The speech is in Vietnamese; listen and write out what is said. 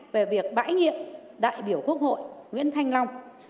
về việc bãi nhiệm đại biểu quốc hội nguyễn thanh long